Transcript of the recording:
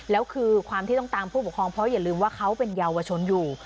แล้วคือความที่ต้องตามผู้ปกครองเพราะอย่าลืมว่าเขาเป็นเยาวชนอยู่